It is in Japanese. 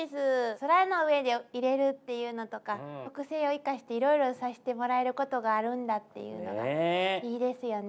空の上でいれるっていうのとか特性を生かしていろいろさしてもらえることがあるんだっていうのがいいですよね。